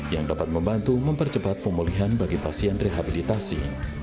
yang dapat membantu mempercepat pemulihan bagi pasien rehabilitasi